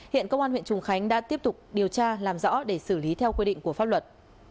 hiện công an huyện trùng khánh đã tiếp tục điều tra làm rõ để xử lý theo quy định của pháp luật